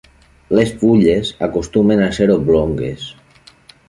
Les fulles acostumen a ser oblongues.